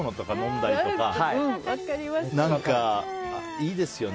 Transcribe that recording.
いいですね。